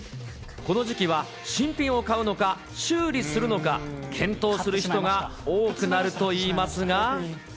この時期は新品を買うのか、修理するのか、検討する人が多くなるといいますが。